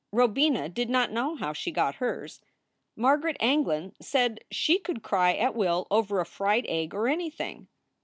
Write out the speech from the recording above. " Robina did not know how she got hers. "Margaret Anglin said she could cry at will over a fried egg or anything.